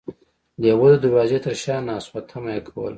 لیوه د دروازې تر شا ناست و او تمه یې کوله.